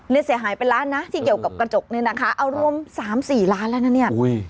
นี่เสียหายเป็นล้านนะที่เกี่ยวกับกระจกเนี่ยนะคะเอารวม๓๔ล้านแล้วนะเนี่ย